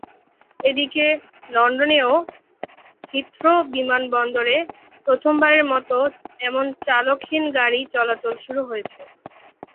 এদিকে লন্ডনেও হিথ্রো বিমানবন্দরে প্রথমবারের মতো এমন চালকহীন গাড়ি চলাচল শুরু হয়েছে।